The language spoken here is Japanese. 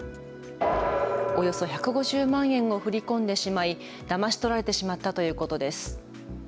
およそ１５０万円を振り込んでしまいだまし取られてしまったということです。